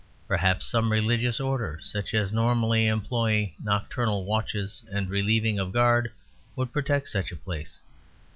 Perhaps some religious order such as normally employ nocturnal watches and the relieving of guard would protect such a place.